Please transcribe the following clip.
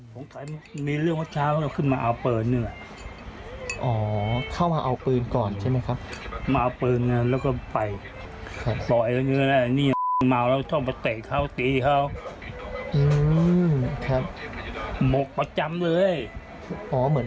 หนายวิเชียนผู้ตายก็จะเป็นนักฟุตบอล